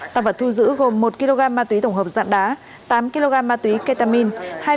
tăng vật thu giữ gồm một kg ma túy tổng hợp dạng đá tám kg ma túy ketamine